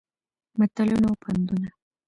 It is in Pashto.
متلونه او پندونه